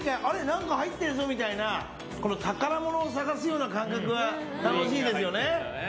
何か入ってるぞみたいな宝物を探すような感覚楽しいですよね。